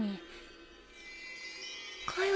かよ